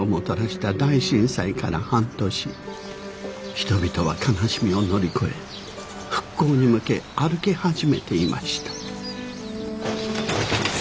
人々は悲しみを乗り越え復興に向け歩き始めていました。